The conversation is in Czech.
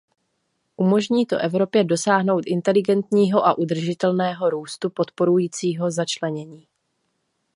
Umožní to Evropě dosáhnout inteligentního a udržitelného růstu podporujícího začlenění.